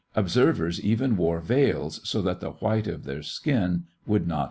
Observers even wore veils so that the white of their skin would not betray them.